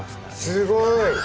すごい！